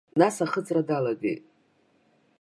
Нас ахыҵра далагеит.